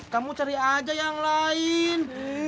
kamu cari aja yang lain